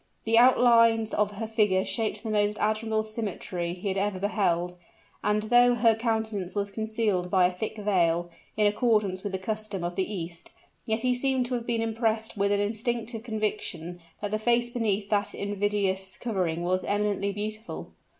The outlines of her figure shaped the most admirable symmetry he had ever beheld; and though her countenance was concealed by a thick veil, in accordance with the custom of the East, yet he seemed to have been impressed with an instinctive conviction that the face beneath that invidious covering was eminently beautiful.